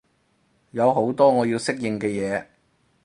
有好多我要適應嘅嘢